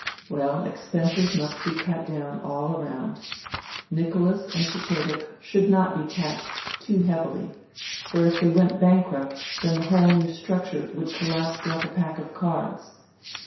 Well, expenses must be cut down all round. Nicholas and Cecedek should not be taxed too heavily, for if they went bankrupt then the whole new structure would collapse like a pack of cards.